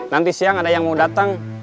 nanti siang ada yang mau datang